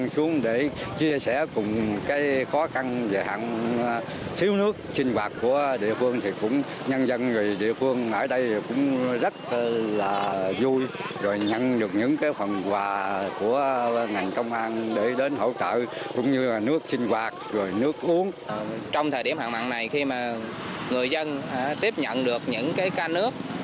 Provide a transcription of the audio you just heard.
trong thời điểm hạn mặn này khi mà người dân tiếp nhận được những cái ca nước